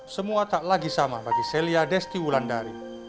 semua tak lagi sama bagi celia desti wulandari